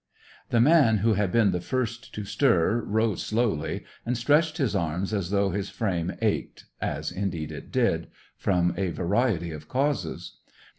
The man who had been the first to stir, rose slowly, and stretched his arms as though his frame ached, as indeed it did, from a variety of causes.